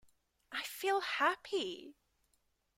I feel happy!